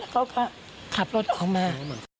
แล้วก็ขับรถออกมา